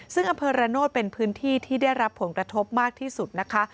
ซึ่งอำเภอระโนธเป็นพื้นที่ที่ได้รับผลกระทบมากที่สุดนะคะ